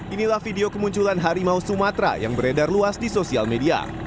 inilah video kemunculan harimau sumatera yang beredar luas di sosial media